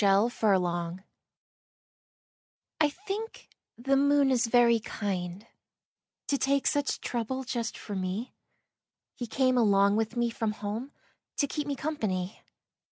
II The Kind Moon I think the moon is very kind To take such trouble just for me. He came along with me from home To keep me company.